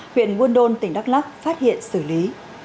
huyện quân đôn tỉnh đắk lắk phát hiện xử lý